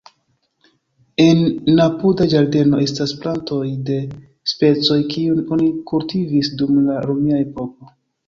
En apuda ĝardeno estas plantoj de specoj kiujn oni kultivis dum la romia epoko.